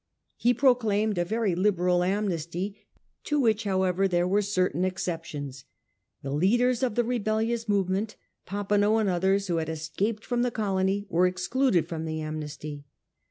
He proclaimed a very liberal amnesty, to which, however, there were certain exceptions. The leaders of the rebellious movement, Papineau and others, who had escaped from the colony, were excluded from the amnesty.